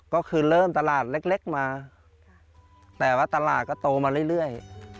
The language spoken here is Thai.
ก็คือเริ่มตลาดเล็กมาแต่ว่าตลาดก็โตมาเรื่อย